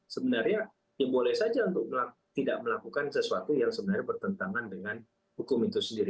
sebenarnya ya boleh saja untuk tidak melakukan sesuatu yang sebenarnya bertentangan dengan hukum itu sendiri